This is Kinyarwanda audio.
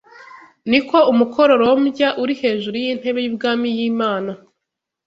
ni ko umukororombya uri hejuru y’intebe y’ubwami y’Imana